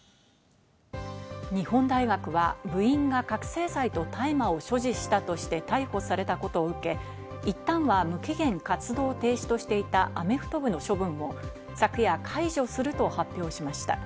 日本大学は部員が覚醒剤と大麻を所持したとして逮捕されたことを受け、いったんは無期限活動停止としていたアメフト部の処分を昨夜、解除すると発表しました。